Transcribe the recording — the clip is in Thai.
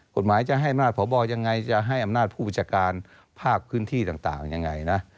กฎหมายจะให้อำนาจพบยังไงจะให้อำนาจผู้บัญชาการภาคพื้นที่ต่างยังไงนะ